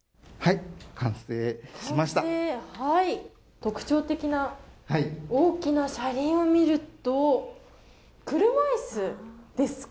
特徴的な、大きな車輪を見ると、車いすですか？